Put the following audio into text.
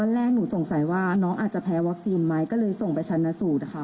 เลยส่งไปทางชาญสูตร